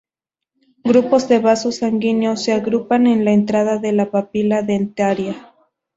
Grupos de vasos sanguíneos se agrupan en la entrada de la papila dentaria.